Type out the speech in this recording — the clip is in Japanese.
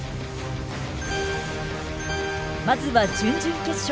まずは準々決勝。